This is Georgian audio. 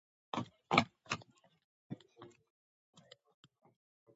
საქართველოში ბროწეული გაშენებულია უმთავრესად კახეთში, ქართლში, იმერეთსა და აჭარაში.